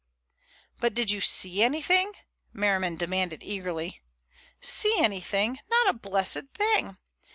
"But did you see anything?" Merriman demanded eagerly. "See anything? Not a blessed thing!